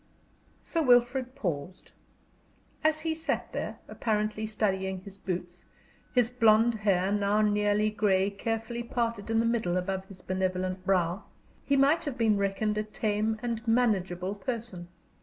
Sir Wilfrid paused. As he sat there, apparently studying his boots, his blond hair, now nearly gray, carefully parted in the middle above his benevolent brow, he might have been reckoned a tame and manageable person.